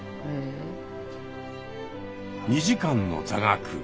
２時間の座学。